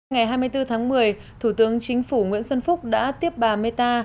ngày hai mươi bốn tháng một mươi thủ tướng chính phủ nguyễn xuân phúc đã tiếp bà mê ta